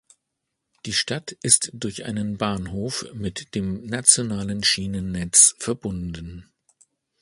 Die Stadt ist durch einen Bahnhof mit dem nationalen Schienennetz verbunden.